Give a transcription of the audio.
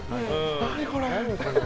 何これ？